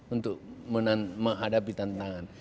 untuk menghadapi tantangan